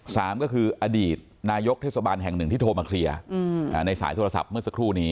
สามก็คืออดีตนายกเทศบาลแห่งหนึ่งที่โทรมาเคลียร์ในสายโทรศัพท์เมื่อสักครู่นี้